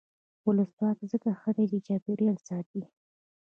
ولسواکي ځکه ښه ده چې چاپیریال ساتي.